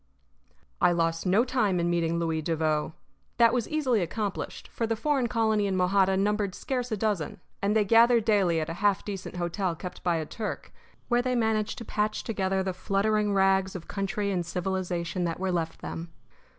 I lost no time in meeting Louis Devoe. That was easily accomplished, for the foreign colony in Mojada numbered scarce a dozen; and they gathered daily at a half decent hotel kept by a Turk, where they managed to patch together the fluttering rags of country and civilization that were left them.